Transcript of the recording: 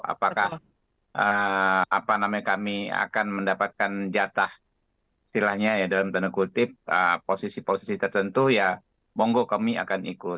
apakah kami akan mendapatkan jatah istilahnya ya dalam tanda kutip posisi posisi tertentu ya monggo kami akan ikut